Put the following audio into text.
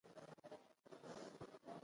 دین، ولسواکي او کپیټالیزم خیالي نظمونه دي.